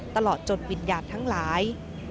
ตลอดจนวิญญาณทั้งหลาย